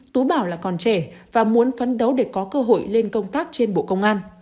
tú bảo là còn trẻ và muốn phấn đấu để có cơ hội lên công tác trên bộ công an